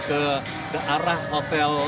ke arah hotel